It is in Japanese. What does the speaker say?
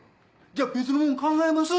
じゃあ別のもん考えます